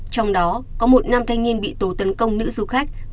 trong đó có một nam thanh niên bị tổ tấn công nữ du khách